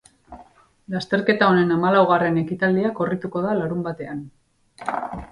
Lasterketa honen hamalaugarren ekitaldia korrituko da larunbatean.